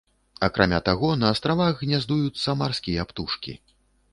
Акрамя таго, на астравах гняздуюцца марскія птушкі.